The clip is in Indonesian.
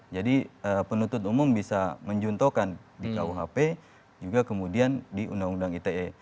jadi penuntut umum bisa menjuntokan di kuhp juga kemudian di undang undang ite